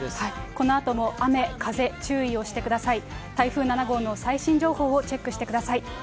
このあとも雨、風注意をしてください。